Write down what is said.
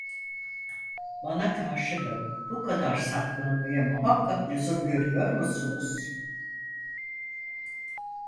Bana karşı da bu kadar saklanmaya muhakkak lüzum görüyor musunuz?